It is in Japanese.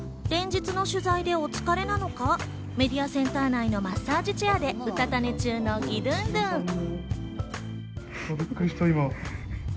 連日の取材でお疲れなのか、メディアセンター内のマッサージチェアでうたた寝中のギドゥンドゥン。